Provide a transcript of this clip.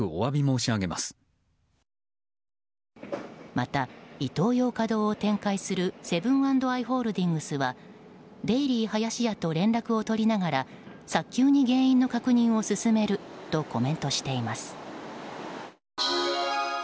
またイトーヨーカドーを展開するセブン＆アイ・ホールディングスはデイリーはやしやと連絡を取りながら早急に原因の確認を進めるとコメントしています。